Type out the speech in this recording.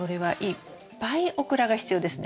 いっぱいオクラが必要なんです。